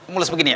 mulus begini ya